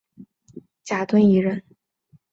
贾敦颐人。